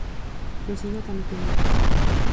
Prosiga cando queira.